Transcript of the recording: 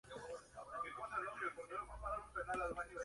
Barney le presentó a Gertrude Stein, de la que se hizo gran amiga.